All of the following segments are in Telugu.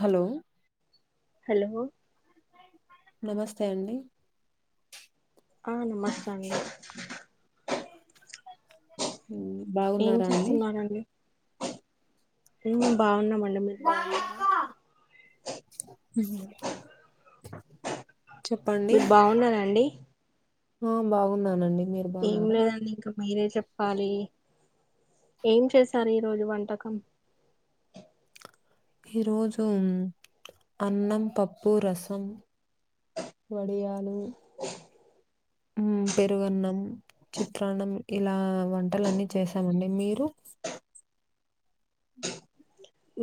హలో హలో నమస్తే అండి ఆ నమస్త అండి బా ఏం చేస్తున్నారండి మేం బావున్నామండి మీరు బావున్నారా హ్మ్. చెప్పండి. మీరు బాగునరాండి ఆ బాగున్నానండి మీరు ఏం బాగున్నారా? లేదండి ఇంకా మీరే చెప్పాలి ఏం చేశారు ఈ రోజు వంటకం ఈ రోజు అన్నం పప్పు రసం వడియాలు పెరుగన్నం చిత్రాన్నం ఇలా వంటలు అన్నీ చేసామండి మీరు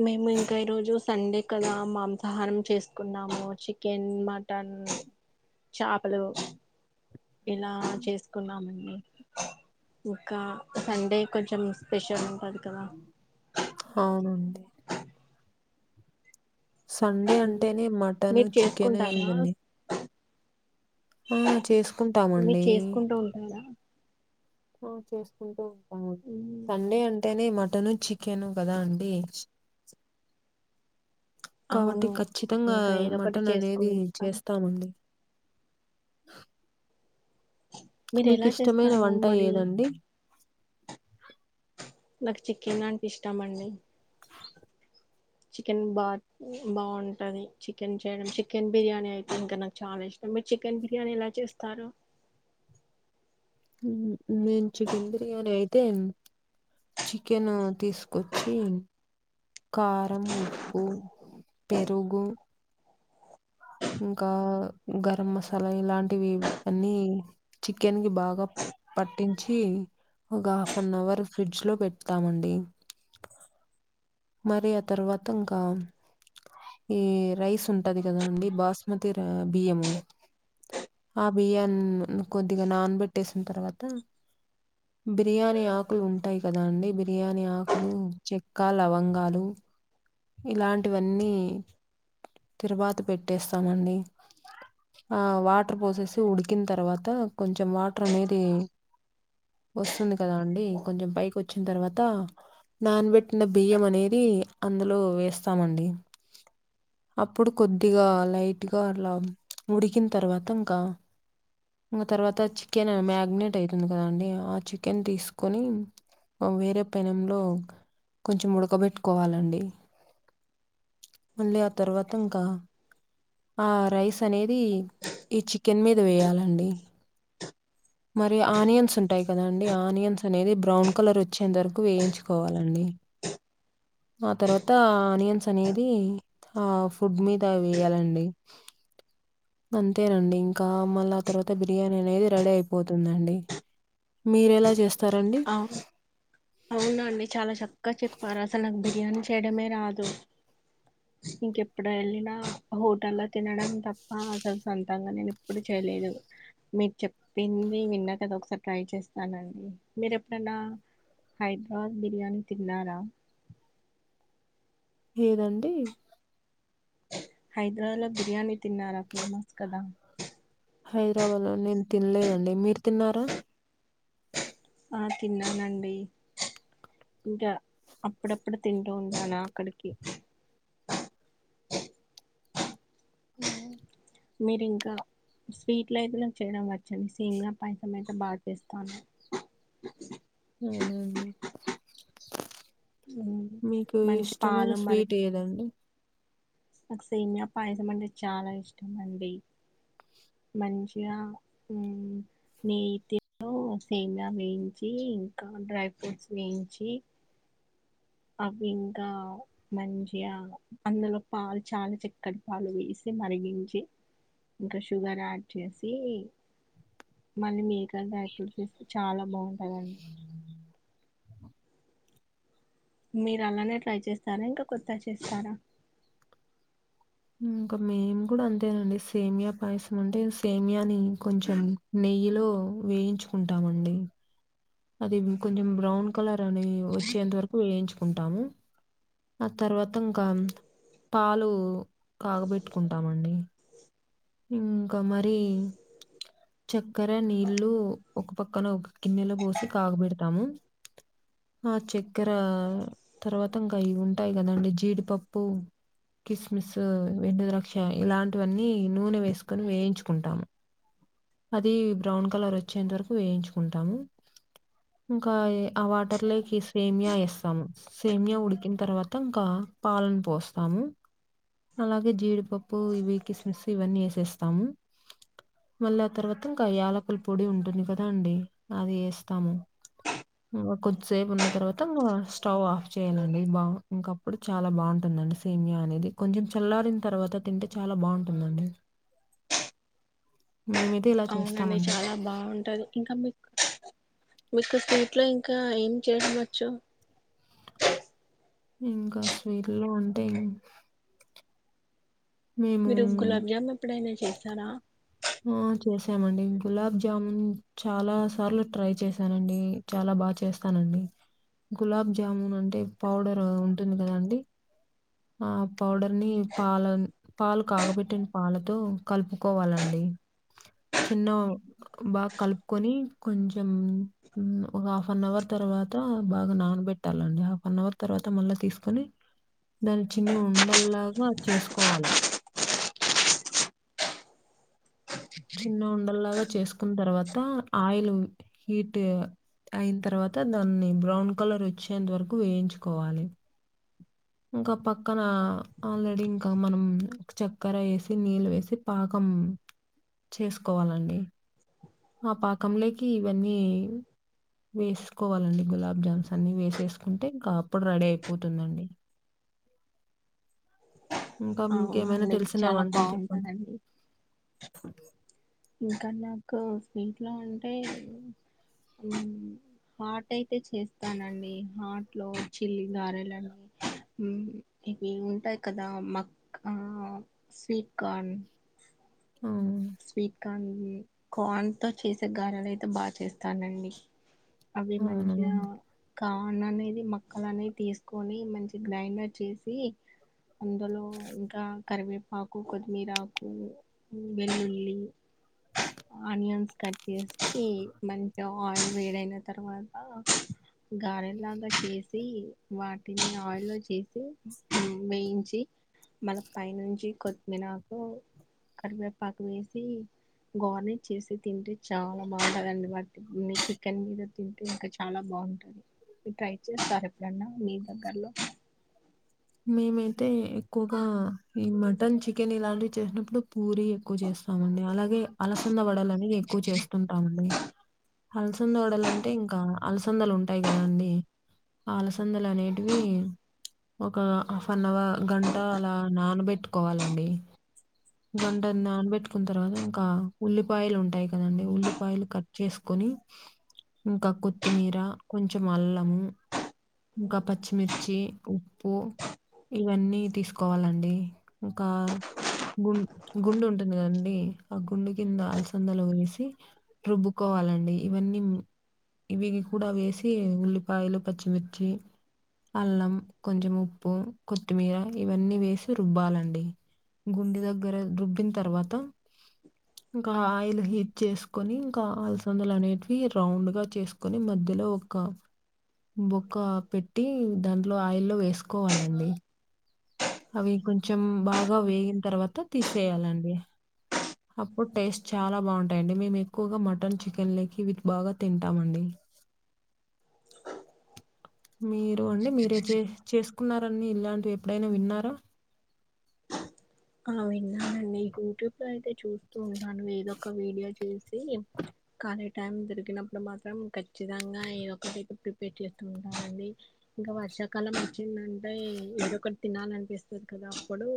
మేము ఇంకా ఈరోజు సండే కదా మాంసాహారం చేసుకున్నాము చికెన్ మ టన్ చేపలు ఇలా చేసుకున్నామండి ఇంకా సండే కొంచెం స్పెషల్ ఉంటది కదా అవునండి సండే ఉమ్ అంటేనే మటను మీరు చికెన్ చేసుకుంటారా ఇవన్నీ ఆ! మీరు చేసుకుంటామండి. చేసుకుంటూ ఉంటుందా చేసుకుంటూ ఉంటాము మ్మ్ సండే అంటేనే మటను చికెను కదా అండి కాబట్టి అవును ఖచ్చితంగా ఇంకా ఏదొకటి మటన్ అనేది చేసుకుంటాం చేస్తామండి మీరు ఎలా మీకిష్టమైన చేస్తారు వంట మరి ఏదండి? నాకు చికెన్ అంటే ఇష్టమండి చికెన్ బాత్ బాగుంటది చికెన్ చేయడం చికెన్ బిర్యానీ అయితే ఇంక నాకు చాలా ఇష్టం మీరు చికెన్ బిర్యానీ ఎలా చేస్తారు నేను చికెన్ బిర్యానీ అయితే చికెన్ తీసుకొచ్చి కారం ఉప్పు పెరుగు ఇంకా గరం మసాలా ఇలాంటివి అన్నీ చికెన్ కి బాగా పట్టించి ఒక హాఫ్ యన్ అవర్ ఫ్రిడ్జ్ లో పెడతామండి. మరి ఆ తర్వాత ఇంకా ఈ రైస్ ఉంటది కదా అండి బాస్మతి బియ్యము ఆ బియ్యాన్ని కొద్దిగా నానబెట్టేసిన తర్వాత బిర్యానీ ఆకులు ఉంటాయి కదా అండి బిర్యానీ ఆకులు చెక్క, లవం గాలు ఇలాంటివన్నీ తిరవాత పెట్టేస్తామండి. ఆ వాటర్ పోసేసి ఉడికిన తర్వాత కొంచెం వాటర్ అనేది వస్తుంది కదా అండి కొంచెం పైకి వచ్చిన తర్వాత నానబెట్టిన పెట్టిన బియ్యం అనేది అందులో వేస్తామండి. అప్పుడు కొద్దిగా లైట్గా అలా ఉడికిన తర్వాత ఇంకా ఇంకా తర్వాత చికెన్ మ్యాగినేట్ అవుతుంది కదండి ఆ చికెన్ తీసుకొని వేరే పెనంలో కొంచెం ఉడకబెట్టుకోవాలండి. మళ్ళీ ఆ తర్వాత ఇంకా ఆ రైస్ అనేది ఈ చి కెన్ మీద వేయాలండి. మరి ఆనియన్స్ ఉంటాయి కదాండి ఆనియన్స్ అనేది బ్రౌన్ కలర్ వచ్చే వరకు వేయించుకోవాలండి. ఆ తర్వాత అనియన్స్ అనేది ఆ ఫుడ్ మీద వేయాలండి. అంతేనండి ఇంకా మళ్ళీ ఆ తర్వాత బిర్యానీ అనేది రెడీ అయిపోతుందిండి. మీరేలా చేస్తారండి? అవునా అండి చాలా చక్కగా చెప్పారు. అసలు నాకు బిర్యానీ చేయడమే రాదు. ఇంకెప్పుడు వెళ్ళినా హోటల్లో తినడం తప్ప, అసలు సొంతంగా నేను ఎప్పుడు చేయలేదు. మీరు చెప్పింది విన్నా కదా ఒకసారి ట్రై చేస్తానండి. మీరు ఎప్పుడైనా హైదరాబాద్ బిర్యానీ తిన్నారా? ఏదండి? హైదరాబాద్ లో బిర్యానీ తిన్నారా ఫేమస్ కదా. హైదరాబాద్ లో నేను తినలేదండి మీరు తిన్నారా? ఆ తిన్నానండి. ఇంకా అప్పుడప్పుడు తింటూ ఉంటాను అక్కడికి మీరి ఇంకా స్వీట్లు అయితే చేయడం వచ్చండి. సీమ్ల పాయసం అయితే బాగా చేస్తాను. అవునా ఉమ్, మీకు మంచి ఇష్టమైన పాలు మరి స్వీట్ ఏదండి? నాకు సేమ్యా పాయసం అంటే చాలా ఇష్టం అండి. మంచిగా నేతితో సేమ్యా వేయించి, ఇంకా డ్రై ఫ్రూట్స్ వేయించి అవి ఇంకా మంచిగా అందులో పాలు చాలా చక్కటి పాలు వేసి మరిగించి ఇంకా షుగర్ యాడ్ చేసి మళ్ళీ మీరు యాడ్ చేస్తే చాలా బాగుంటుందండి. మీరు అలానే ట్రై చేస్తారా ఇంకా కొత్తగా చేస్తారా? ఇంకా మేము కూడా అంతేనండి సేమియా పాయసం అంటే సేమియాని కొంచెం నెయ్యిలో వేయించుకుంటామండి అది కొంచెం బ్రౌన్ కలర్ అని వచ్చేంత వరకు వేయించుకుంటాము ఆ తర్వాత ఇంకా పాలు కాగబెట్టుకుంటామండి ఇంకా మరి చక్కెర నీళ్లు ఒక పక్కన ఒక గిన్నెలో పోసి కాగబెడతాము ఆ చక్కెర తర్వాత ఇంకా అవి ఉంటాయి కదండి జీడిపప్పు కిస్మిస్ వెండు ద్రాక్ష ఇలాంటివన్నీ నూనె వేసుకొని వేయించుకుంటాము అది బ్రౌన్ కలర్ వచ్చేంత వరకు వేయించుకుంటాము ఇంకా ఆ వాటర్ లోకి ఈ సేమియా ఏస్తాము సేమ్య ఉడికిన తర్వాత ఇంకా పాలను పోస్తాము అలాగే జీడిపప్పు ఇవి కిస్మిస్ ఇవన్నీ వేసేస్తాము మళ్ళీ ఆ తర్వాత ఇంకా యాలకుల పొడి ఉంటుంది కదా అండి అది వేస్తాము ఇంకా కొద్దిసేపు ఉన్న తర్వాత ఇంకా స్టవ్ ఆఫ్ చేయాలండి బా ఇంకా ఇప్పుడు చాలా బాగుంటుందండి సైమ్యా అనేది కొంచెం చల్లారిన తర్వాత తింటే చాలా బాగుంటుందండి మేమైతే ఇలా అవునండి చేస్తామండి. చాలా బాగుంటది ఇంకా మీ మీకా సీట్లో ఇంకా ఏం చేయడం వచ్చు ఇంకా స్వీల్ లో అంటే ఏం మీరు గులాబ్ జాము ఎప్పుడైనా చేస్తారా ఆ చేసామండి గులాబ్ జామున్ చాలా సార్లు ట్రై చేశానండి చాలా బాగా చేస్తానండి గులాబ్ జాముూన్ అంటే పౌడర్ ఉంటుంది కదాండి ఆ పౌడర్ ని పాలన్ పాలు కాగబెట్టిన పాలతో కలుపుకోవాలండి చిన్న బాగా కలుపుకొని కొంచెం ఊ ఒక హాఫ్ అన్ అవర్ తర్వాత బాగా నానబెట్టాలండి హాఫ్ అన్ అవర్ తర్వాత మళ్ళా తీసుకొని దాని చిన్న ఉండల్లాగా చేసుకోవాలి చిన్న ఉండల్లాగా చేసుకున్న తర్వాత ఆయిల్ హీట్ అయిన తర్వాత దాన్ని బ్రౌన్ కలర్ వచ్చేంత వరకు వేయించుకోవాలి ఇంకా పక్కన ఆల్రెడీ ఇంకా మనం చక్కర వేసి నీళ్ళు వేసి పాకం చేసుకోవాలండి ఆ పాకం లేకి ఇవన్నీ వేసుకోవాలండి గులాబ్ జామ్స్ అన్ని వేసేసుకుంటే ఇంకా అప్పుడు రెడీ అయిపోతుందండి ఇంకా మీకేమైనా అవునండి తెలిసిన చాలా వంటలు చెప్పండి బాగుంటదండి ఇంకా నాకు స్వీట్ లో అంటే ఉం హాట్ అయితే చేస్తానండి హార్ట్ లో చిల్లి గారెలని ఇవి ఉంటాయి కదా మక్క స్వీట్ కార్న్ ఆవును స్వీట్ కాన్ వి కన్ తో చేసే గారాలు అయితే బాగా చేస్తానండి అవి అవునండి మంచిగా కాన్ అనేది మక్కల అనేది తీసుకొని మంచి గ్రైండర్ చేసి అందులో ఇంకా కరివేపాకు కొత్తిమీరాకు వెెల్లుల్లి ఓ ఆనియన్స్ కట్ చేసి మంచిగా ఆయిల్ వేడ్ అయిన తర్వాత గారెల్లాగా చేసి వాటిని ఆయిల్లో చేసి వేయించి మన పై నుంచి కొత్తిమినకు కరివేపాకు వేసి గోర్నెట్ చేసి తింటే చాలా బాగుంటందిండి వాటి చికెన్ మీద తింటే ఇంకా చాలా బాగుంటంది మీ ట్రై చేస్తారు ఎప్పుడన్నా మీ దగ్గర్లో మేమైతే ఎక్కువగా ఈ మటన్ చికెన్ ఇలాంటివి చేసినప్పుడు పూరి ఎక్కువ చేస్తాం స్తామండి అలాగే అలసంద వడలు అనేవి ఎక్కువ చేస్తుంటామండి అలసందోడాలంటే ఇంకా అలసందలు ఉంటాయి కదా అండి ఆలసందలు అనేటివి ఒక హాఫ్ అన్ అవర్ గంట అలా నానబెట్టుకోవాలండి గంటన్ని నానబెట్టుకున్న తర్వాత ఇంకా ఉల్లిపాయలు ఉంటాయి కదండి ఉల్లిపాయలు కట్ చేసుకొని ఇంకా కొత్తిమీర కొంచెం అల్లము ఇంకా పచ్చిమిర్చి ఉప్పు ఇవన్నీ తీసుకోవాలండి ఇంకా గుం గుండు ఉంటుంది కదండీ ఆ గుండు కింద అలసందలు వేసి రుబ్బుకోవాలండి ఇవన్నీ ఇవి కూడా వేసి ఉల్లిపాయలు పచ్చిమిర్చి అల్లం కొంచెం ఉప్పు కొత్తిమీర ఇవన్నీ వేసి రుబ్బాలండి గుండె దగ్గర రుబ్బిన తర్వాత ఇంకా ఆయిల్ హీట్ చేసుకని ఇంకా అలసందలు అనేటివి రౌండ్ గా చేసుకు కుని మధ్యలో ఒక బొక్క పెట్టి దాంట్లో ఆయిల్లో వేసుకోవాలండి అవి కొంచెం బాగా వేగిన తర్వాత తీసేయాలండి అప్పుడు టేస్ట్ చాలా బాగుంటాయిండి మేము ఎక్కువగా మటన్ చికెన్ లేకి విత్ బాగా తింటామ అండి మీరు అండి మీరే చే చేసుకున్నారని ఇలాంటివి ఎప్పుడైనా విన్నరా ర్ అవు విన్నాండి యూట్యూబ్ లో అయితే చూస్త ఉన్నాను ఏదో ఒక వీడియో చూసి కలెక్ట్ టైం దొరికినప్పుడు మాత్రం ఖచ్చితంగా ఏదొ ఒకటికి ప్రిపేర్ చేస్తూ ఉంటామండి ఇంకా వర్షాకాలం వచ్చిందంటే ఏదో ఒకటి తినాలనిపిస్తుంది కదా అప్పుడు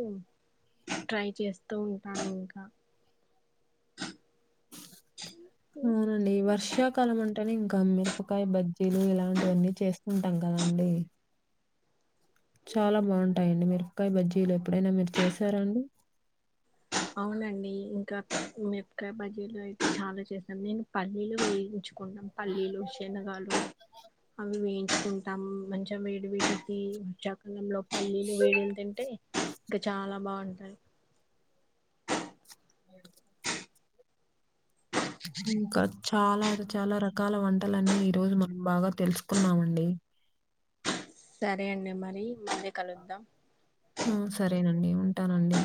ట్రై చేస్తూ ఉంటాను ఇంకా అవునండి వర్షాకాలం అంటేనే ఇంకా మిరపకాయ బజ్జీలు ఇలాంటివన్నీ చేస్తుంటాం కదండి చాలా బాగుంటాయిడి మీరపకాయ బజ్జీలు ఎప్పుడైనా మీరు చేశారండి అవునండి ఇంకా మెపకాయ బజీలో అయితే చాలా చేస్తాను నేను పల్లీలు వేయించు కున్నాం పల్లీలు శనగాలు అవి వేయించుకుంటాం మంచిగా వేడి వేడికి వచ్చ్యాకన్నంలో పళ్ల్లీలు వేడలు తింటే ఇంకా చాలా బాగుంటాయి అ ఇంకా చాలా చాలా రకాల వంటలన్నీ ఈ రోజు మనం బాగా తెలుసుకున్నామండి సరే అండి మరి మళ్ళ కలుద్దాం ఆ సరేనండి ఉంటానండి